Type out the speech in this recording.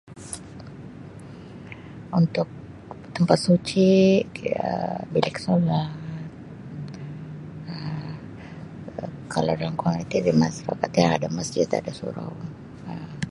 Untuk tempat suci [unintelligible] bilik solat. Um Kalau [unintelligible] ada masjid ada surau Um.